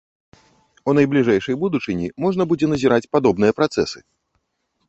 У найбліжэйшай будучыні можна будзе назіраць падобныя працэсы.